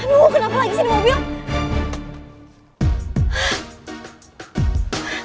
aduh kenapa lagi ada mobil